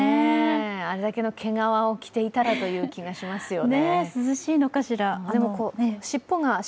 あれだけの毛皮を着ていたらという気がしますよね。